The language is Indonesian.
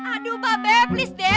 aduh ba be please deh